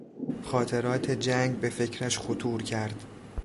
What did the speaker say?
خاطرات جنگ به فکرش خطور کرد.